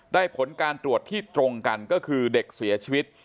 ผลการตรวจที่ตรงกันก็คือเด็กเสียชีวิต